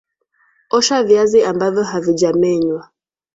Osha viazi ambavyo havijamenywa